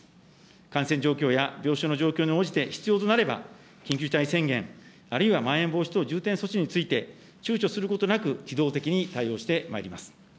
感染状況や病床の状況に応じて必要となれば、緊急事態宣言、あるいはまん延防止等重点措置について、ちゅうちょすることなく機動的に対応してまいります。